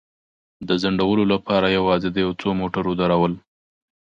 د ځنډولو لپاره یوازې د یو څو موټرو درول.